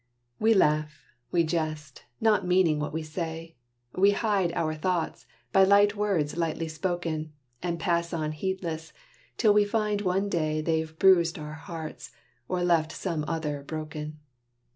We laugh, we jest, not meaning what we say; We hide our thoughts, by light words lightly spoken, And pass on heedless, till we find one day They've bruised our hearts, or left some other broken.